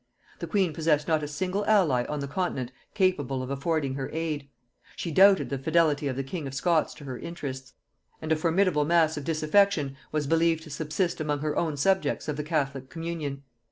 The queen possessed not a single ally on the continent capable of affording her aid; she doubted the fidelity of the king of Scots to her interests, and a formidable mass of disaffection was believed to subsist among her own subjects of the catholic communion.